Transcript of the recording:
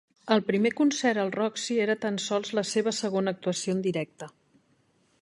El primer concert al Roxy era tan sols la seva segona actuació en directe.